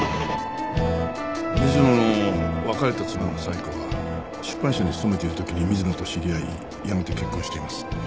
水野の別れた妻の冴子は出版社に勤めている時に水野と知り合いやがて結婚しています。